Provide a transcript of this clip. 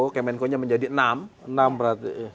kemenko nya menjadi enam enam berarti